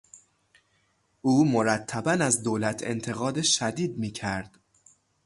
او مرتبا از دولت انتقاد شدید میکرد.